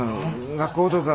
学校とか